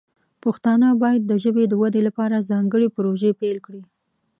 پښتانه باید د ژبې د ودې لپاره ځانګړې پروژې پیل کړي.